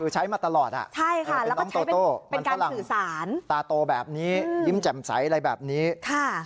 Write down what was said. คือใช้มาตลอดน่ะเป็นน้องโตโต้นาตาโตแบบนี้ยิ้มแจ่มใสอะไรแบบนี้ใช้เป็น